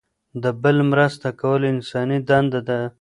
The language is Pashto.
د بل مرسته کول انساني دنده ده.